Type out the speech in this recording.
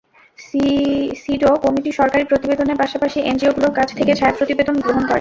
সিডও committee সরকারি প্রতিবেদনের পাশাপাশি এনজিওগুলোর কাছ থেকে ছায়া প্রতিবেদন গ্রহণ করে।